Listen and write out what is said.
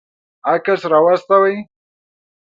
عکس راواستوئ